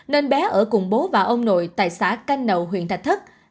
nên bé ở cùng bố và ông nội tại xã canh nậu huyện thạch thất